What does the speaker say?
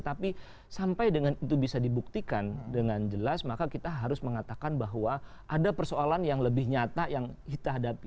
tapi sampai dengan itu bisa dibuktikan dengan jelas maka kita harus mengatakan bahwa ada persoalan yang lebih nyata yang kita hadapi